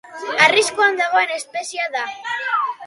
Arriskuan dagoen espeziea da.